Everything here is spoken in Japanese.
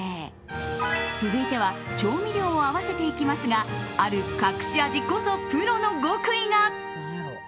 続いては調味料を合わせていきますがある隠し味こそ、プロの極意が。